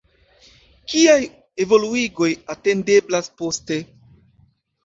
Kiaj evoluigoj atendeblas poste?